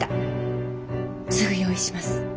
すぐ用意します。